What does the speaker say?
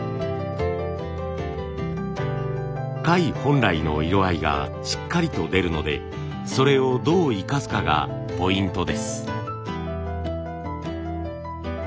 貝本来の色合いがしっかりと出るのでそれをどう生かすかがポイントです。